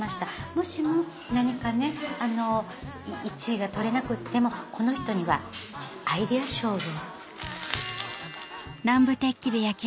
もしも何か１位が取れなくってもこの人にはアイデア賞を。